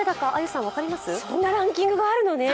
そんなランキングがあるのね。